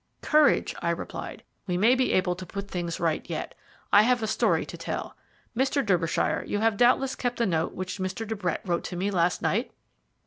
"Courage," I replied; "we may be able to put things right yet. I have a story to tell. Mr. Derbyshire, you have doubtless kept the note which Mr. de Brett wrote to me last night?"